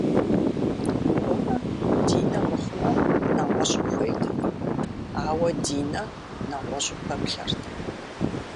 Борэ Динэ мыхъумэ, нэгъуэщӏым хуейтэкъым, ауэ Динэ нэгъуэщӏым пэплъэрт.